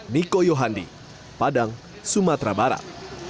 niko yohandi padang sumatera barat